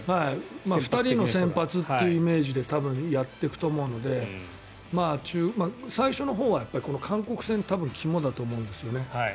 ２人の先発というイメージでやっていくと思うので最初のほうは韓国戦が肝だと思うんですね。